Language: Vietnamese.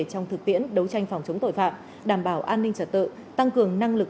trong thực tiễn đấu tranh phòng chống tội phạm đảm bảo an ninh trật tự tăng cường năng lực